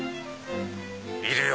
いるよ